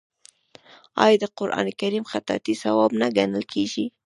آیا د قران کریم خطاطي ثواب نه ګڼل کیږي؟